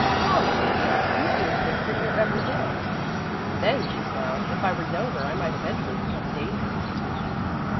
"Honestly, Rose, you seem to get prettier every day." "Then," she smiled, "if I were younger, I might eventually become dangerous."